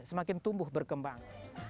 semakin tumbuh berkembang